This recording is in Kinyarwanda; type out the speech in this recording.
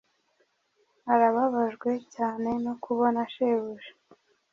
arababajwe cyane no kubona shebuja